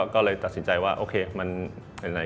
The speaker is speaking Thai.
ก็เลยตัดสินใจว่าโอเคมันเป็นอะไร